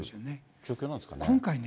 状況なんですかね。